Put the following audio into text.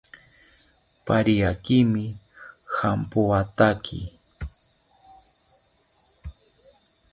Pariakimi jampoathaki